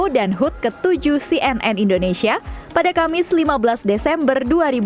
dan hut ke tujuh cnn indonesia pada kamis lima belas desember dua ribu dua puluh dua